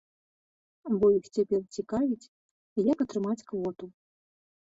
Бо іх цяпер цікавіць, як атрымаць квоту.